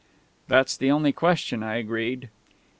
'" "That's the only question," I agreed.